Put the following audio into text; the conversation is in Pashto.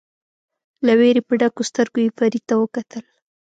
له وېرې په ډکو سترګو یې فرید ته وکتل.